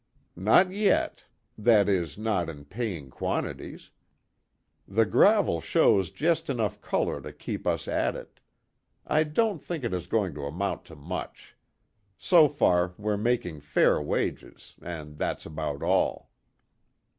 "Not yet. That is, not in paying quantities. The gravel shows just enough color to keep us at it. I don't think it is going to amount to much. So far we're making fair wages and that's about all."